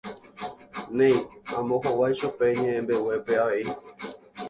Néi, ambohovái chupe ñe'ẽmbeguépe avei.